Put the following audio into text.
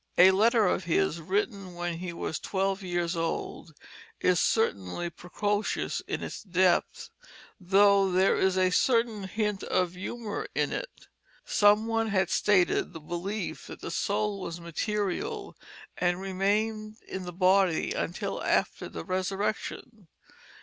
A letter of his written when he was twelve years old is certainly precocious in its depth, though there is a certain hint of humor in it. Some one had stated the belief that the soul was material and remained in the body until after the resurrection.